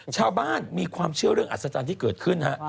ชาวบ้านมีความเชื่อเรื่องอัศจรรย์ที่เกิดขึ้นฮะ